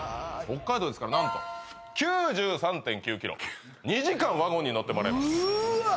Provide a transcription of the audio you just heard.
北海道ですから何と９３．９ｋｍ２時間ワゴンに乗ってもらいますうわ